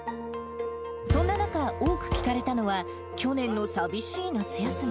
そんな中、多く聞かれたのは、去年の寂しい夏休み。